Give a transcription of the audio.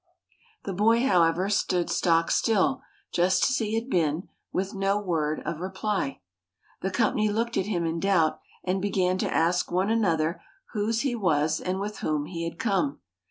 The boy, however, stood stock still, just as he had been, with no word of reply. The company looked at him in doubt, and began to ask one another whose he was and with whom he had come.